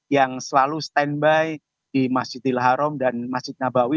yang selalu stand by di masjidil haram dan masjid dabawi